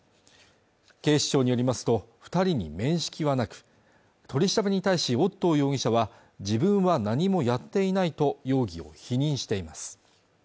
警視庁によりますと二人に面識はなく取り調べに対しオットー容疑者は自分は何もやっていないと容疑を否認しています